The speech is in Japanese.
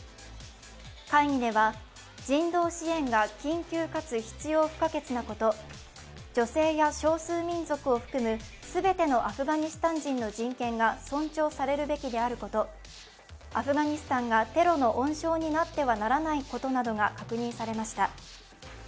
会議では人道支援が緊急かつ必要不可欠なこと、女性や少数民族を含む全てのアフガニスタン人の人権が尊重されるべきであること、アフガニスタンがテロの温床になってはならないことなどが確認されました。